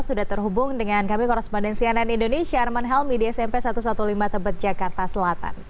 sudah terhubung dengan kami korespondensi ann indonesia arman helmi di smp satu ratus lima belas tebet jakarta selatan